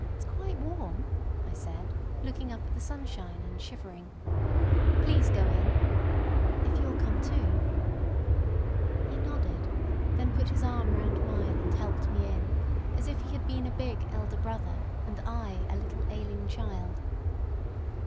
"It's quite warm," I said, looking up at the sunshine, and shivering. "Please go in." "If you'll come too." He nodded, then put his arm round mine, and helped me in, as if he had been a big elder brother, and I a little ailing child.